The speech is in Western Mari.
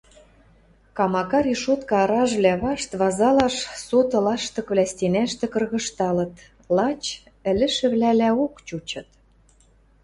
Камака решотка ыражвлӓ вашт вазалаш соты лаштыквлӓ стенӓштӹ кыргыжталыт, лач ӹлӹшӹвлӓлӓок чучыт...